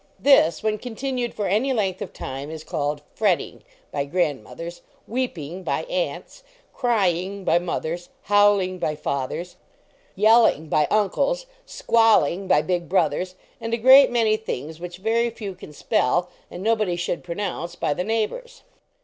This, when continued for any length of time, is called "fretting," by grandmothers; " weeping." by aunts; "crying," by moth . "howling," by fathers; " yelling," by uncles; "squalling," by big brothers, and a great many things which very few can spell 15 LEARNING TO BREATHE and nobody should pronounce, by the neigh bors.